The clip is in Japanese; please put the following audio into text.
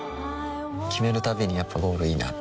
決めるたびにやっぱゴールいいなってふん